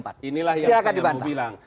nah inilah yang saya mau bilang